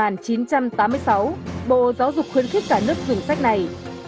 năm một nghìn chín trăm tám mươi sáu bộ giáo dục khuyến khích cả nước dùng sách này